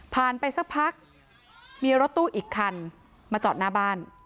ไปสักพักมีรถตู้อีกคันมาจอดหน้าบ้าน